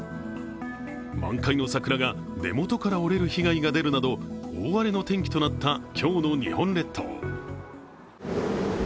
満開の桜が根元から折れる被害が出るなど大荒れの天気となった今日の日本列島。